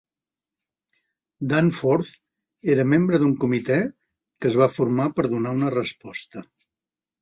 Danforth era membre d'un comitè que es va formar per donar una resposta.